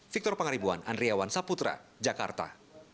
victor pangaribuan andriawan saputra jakarta